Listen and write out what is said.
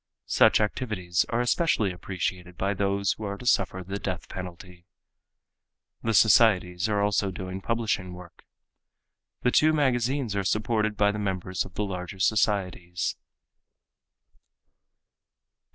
Such activities are especially appreciated by those who are to suffer the death penalty. The societies are also doing publishing work. The two magazines are supported by the members of the larger societies.